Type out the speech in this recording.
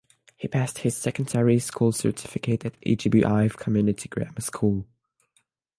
He passed his secondary school certificate at Ijebu Ife Community Grammar School.